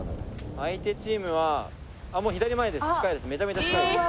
相手チームは左前です。